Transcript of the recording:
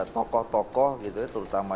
tokoh tokoh gitu ya terutama